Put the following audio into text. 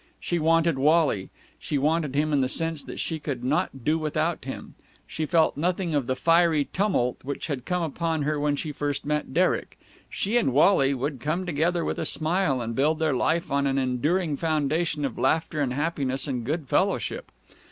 She wanted Wally. She wanted him in the sense that she could not do without him. She felt nothing of the fiery tumult which had come upon her when she first met Derek. She and Wally would come together with a smile and build their life on an enduring foundation of laughter and happiness and good fellowship.